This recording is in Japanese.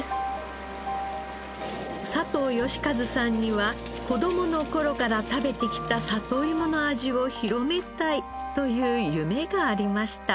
佐藤嘉一さんには子供の頃から食べてきた里いもの味を広めたいという夢がありました。